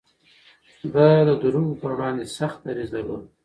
ده د دروغو پر وړاندې سخت دريځ درلود.